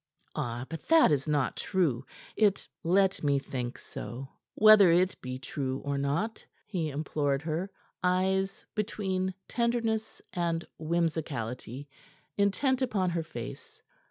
"Ah, but that is not true. It " "Let me think so, whether it be true or not," he implored her, eyes between tenderness and whimsicality intent upon her face.